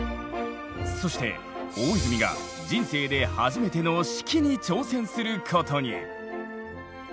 そして大泉が人生で初めての指揮に挑戦することに！